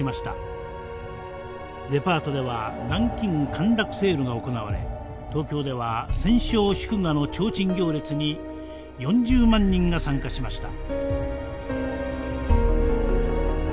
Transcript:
デパートでは南京陥落セールが行われ東京では戦勝祝賀のちょうちん行列に４０万人が参加しました。